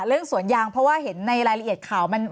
เรื่องสวนยางเพราะว่าเห็นในรายละเอียดข่าว